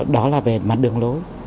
đó là về mặt đường lối